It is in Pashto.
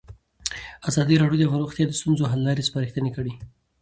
ازادي راډیو د روغتیا د ستونزو حل لارې سپارښتنې کړي.